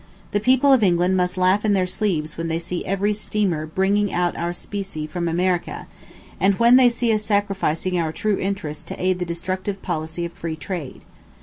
The people of England must laugh in their sleeves when they see every steamer bringing out our specie from America, and when they see us sacrificing our true interests to aid the destructive policy of free trade.